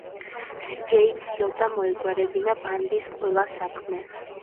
სიჯეი ცდილობდა, მოეგვარებინა ბანდის ყველა საქმე.